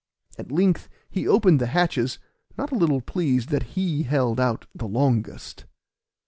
At length he opened the hatches, not a little pleased that he held out the longest.